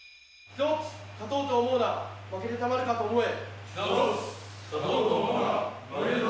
１つ、勝とうと思うな負けてたまるかと思え。